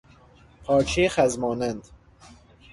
پارچهی خز مانند